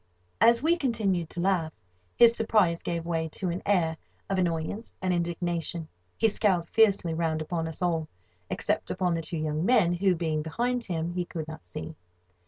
As we continued to laugh, his surprise gave way to an air of annoyance and indignation, and he scowled fiercely round upon us all (except upon the two young men who, being behind him, he could not see).